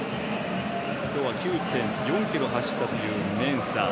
今日は９．４ｋｍ走ったというメンサー。